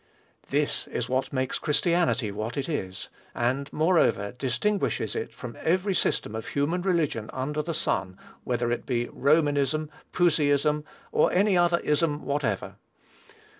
This is what makes Christianity what it is; and, moreover, distinguishes it from every system of human religion under the sun, whether it be Romanism, Puseyism, or any other ism whatsoever.